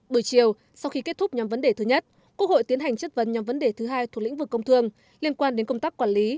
buổi chiều sau khi kết thúc nhóm vấn đề thứ nhất quốc hội tiến hành chất vấn nhóm vấn đề thứ hai thuộc lĩnh vực công thương liên quan đến công tác quản lý